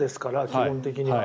基本的には。